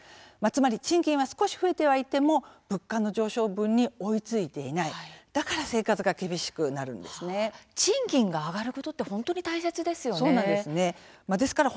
つまり賃金は少し増えてはいても物価の上昇分に追いついていない賃金が上がることって本当に大切ですよね。